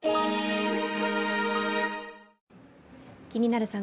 「気になる！